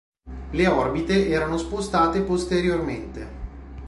Le orbite erano spostate posteriormente.